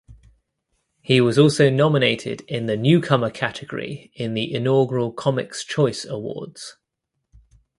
He was also nominated in the Newcomer category in the inaugural Comics Choice awards.